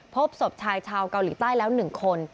พบศพชายชาวเกาหลีใต้แล้ว๑คน